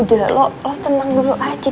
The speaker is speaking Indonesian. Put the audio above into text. udah lo tenang dulu aja